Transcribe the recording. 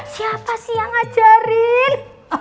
siapa sih yang ngajarin